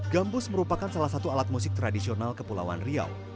gambus merupakan salah satu alat musik tradisional kepulauan riau